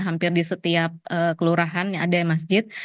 hampir di setiap kelurahan ada masjid